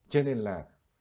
cho nên là